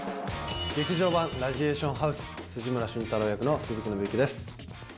『劇場版ラジエーションハウス』辻村駿太郎役の鈴木伸之です。